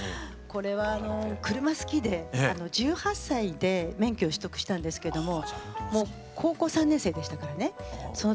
これは車好きで１８歳で免許を取得したんですけども高校３年生でしたからねその当時は。